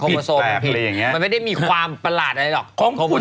มันไม่ได้มีความประหลาดอะไรหรอกโคโมโซมผิด